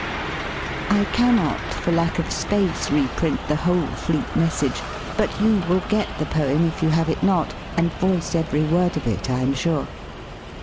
I cannot, for lack of space, reprint the whole flute message, but you will get the poem, if you have it not, and voice every word of it, I am sure.